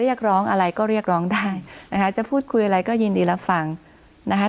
เรียกร้องอะไรก็เรียกร้องได้นะคะจะพูดคุยอะไรก็ยินดีรับฟังนะคะ